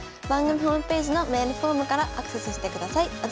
番組ホームページのメールフォームからアクセスしてください。